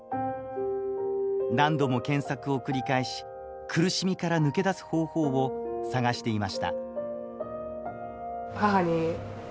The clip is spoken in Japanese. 何度も検索を繰り返し苦しみから抜け出す方法を探していました。